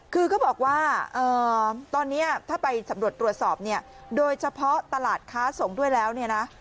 คือเขาบอกว่าตอนนี้ถ้าไปสำรวจตรวจสอบเนี่ยโดยเฉพาะตลาดค้าส่งด้วยแล้วเนี่ยนะ